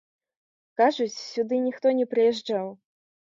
Кажуць, сюды ніхто не прыязджаў.